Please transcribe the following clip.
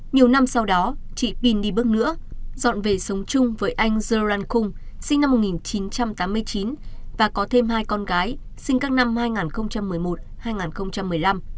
nhiều năm sau đó chị pin đi bước nữa dọn về sống chung với anh jorn khung sinh năm một nghìn chín trăm tám mươi chín và có thêm hai con gái sinh các năm hai nghìn một mươi một hai nghìn một mươi năm